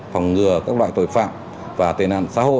phòng ngừa các loại tội phạm và tên nạn xã hội